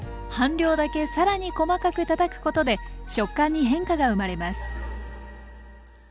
半量だけ更に細かくたたくことで食感に変化が生まれます。